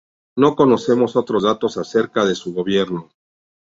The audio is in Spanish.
No conocemos otros datos acerca de su gobierno.